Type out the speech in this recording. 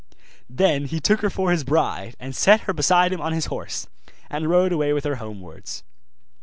Then he took her for his bride, and set her beside him on his horse, and rode away with her homewards.